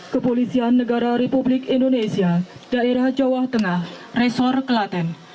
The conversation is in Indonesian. kepolisian negara republik indonesia daerah jawa tengah resor kelaten